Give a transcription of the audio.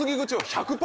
１００％